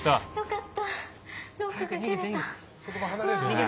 良かった。